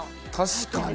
確かに！